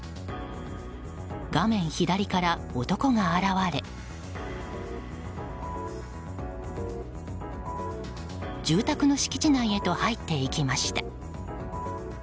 画面左から男が現れ、住宅の敷地内へと入っていきました。